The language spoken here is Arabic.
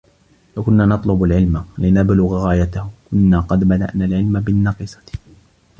لَوْ كُنَّا نَطْلُبُ الْعِلْمَ لِنَبْلُغَ غَايَتَهُ كُنَّا قَدْ بَدَأْنَا الْعِلْمَ بِالنَّقِيصَةِ